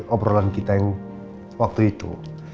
obrolan kita yang waktu itu